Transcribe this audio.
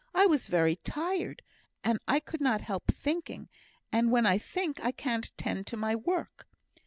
I was very tired; and I could not help thinking, and when I think, I can't attend to my work."